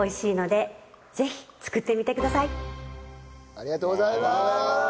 ありがとうございます。